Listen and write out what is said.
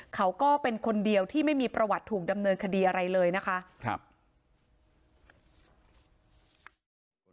เขาก็เป็นคนเดียวที่ไม่มีประวัติถูกดำเนินคดีอะไรเลยนะคะครับ